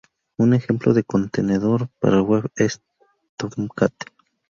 Un ejemplo de contenedor para web es el Tomcat.